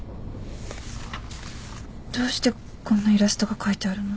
どうしてこんなイラストが描いてあるの？